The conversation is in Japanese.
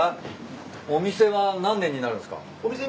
お店は何年になるんすか？